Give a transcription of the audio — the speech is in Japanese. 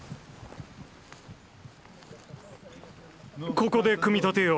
ここで組み立てよう。